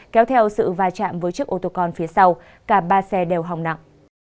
kéo theo sự va chạm với chiếc ôtocon phía sau cả ba xe đều hòng nặng